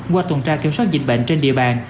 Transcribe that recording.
qua tuần tra kiểm soát dịch bệnh trên địa bàn